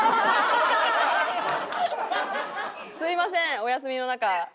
すみませんお休みの中。